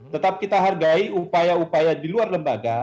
tetap kita hargai upaya upaya di luar lembaga